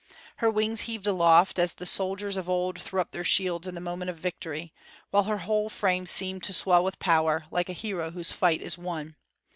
Her wings heaved aloft, as the soldiers of old threw up their shields in the moment of victory; while her whole frame seemed to swell with power, like a hero whose fight is won.